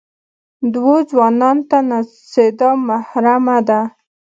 دوو ځوانان ته نڅېدا محرمه ده.